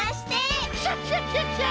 クシャシャシャシャ！